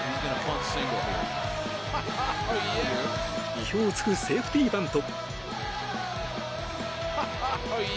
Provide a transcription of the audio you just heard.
意表を突くセーフティーバント。